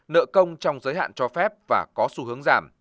nợ công trong giới hạn cho phép và có xu hướng giảm